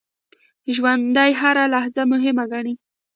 ژوندي هره لحظه مهمه ګڼي